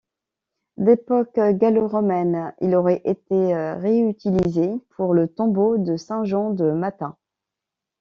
D’époque gallo-romaine, il aurait été réutilisé pour le tombeau de saint Jean de Matha.